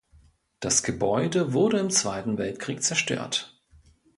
Das Gebäude wurde im Zweiten Weltkrieg zerstört.